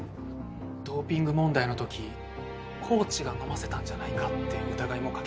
ドーピング問題の時コーチが飲ませたんじゃないかって疑いもかけられたみたいで。